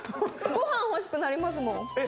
ごはん欲しくなりますもん。